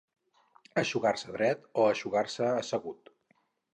Eixugar-se dret o eixugar-se assegut.